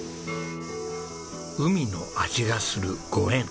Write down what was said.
海の味がする御塩。